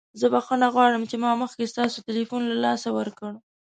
زه بخښنه غواړم چې ما مخکې ستاسو تلیفون له لاسه ورکړ.